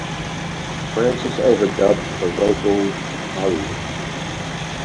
Francis overdubbed her vocals in Hollywood.